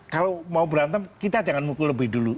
kalau mau berantem kita jangan mukul lebih dulu